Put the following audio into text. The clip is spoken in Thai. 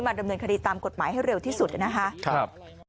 ดำเนินคดีตามกฎหมายให้เร็วที่สุดนะครับ